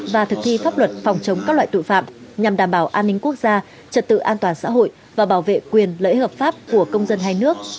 và thực thi pháp luật phòng chống các loại tội phạm nhằm đảm bảo an ninh quốc gia trật tự an toàn xã hội và bảo vệ quyền lợi ích hợp pháp của công dân hai nước